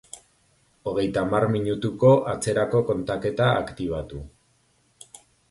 Hogeitamar minutuko atzerako kontaketa aktibatu.